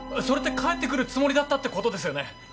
それって帰って来るつもりだったってことですよね？